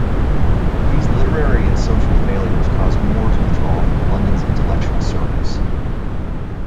These literary and social failures caused More's withdrawal from London's intellectual circles.